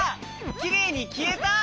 きれいにきえた！